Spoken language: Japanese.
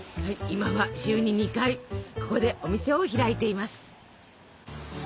今は週に２回ここでお店を開いています。